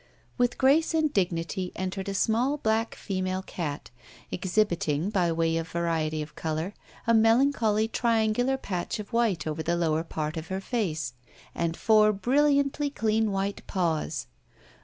With grace and dignity entered a small black female cat; exhibiting, by way of variety of colour, a melancholy triangular patch of white over the lower part of her face, and four brilliantly clean white paws.